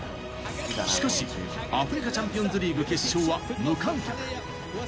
しかしアフリカチャンピオンズリーグ決勝は無観客。